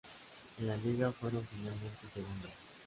En la Liga fueron finalmente segundas.